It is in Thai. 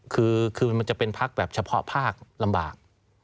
คือมันจะเป็นพักแบบเฉพาะภาคลำบาก